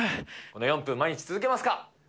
この４分、毎日続けますか。